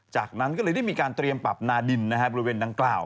จากนั้นก็เลยได้มีการเตรียมปรับนาดินบริเวณดังกล่าว